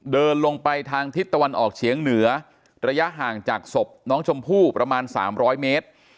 เดินลงไปทางทิศตะวันออกเฉียงเหนือระยะห่างจากศพน้องชมพู่ประมาณ๓๐๐เมตร